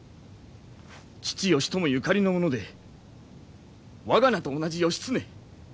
父義朝ゆかりの者で我が名と同じ義経！？